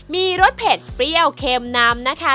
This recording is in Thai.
มีรสเผ็ดเพรี่ยวเข็มน้ำ